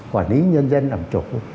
quản lý nhân dân làm chủ